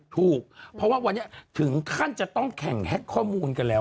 ถูกเพราะว่าวันนี้ถึงขั้นจะต้องแข่งแฮ็กข้อมูลกันแล้ว